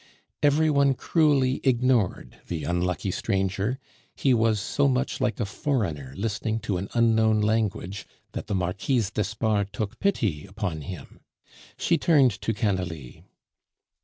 Every one cruelly ignored the unlucky stranger; he was so much like a foreigner listening to an unknown language, that the Marquise d'Espard took pity upon him. She turned to Canalis.